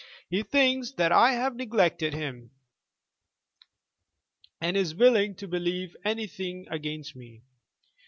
He thinks that I have neglected him, and is willing to believe anything against me.